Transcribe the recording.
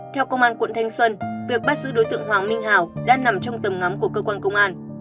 theo công an quận thanh xuân việc bắt giữ đối tượng hoàng minh hào đã nằm trong tầm ngắm của cơ quan công an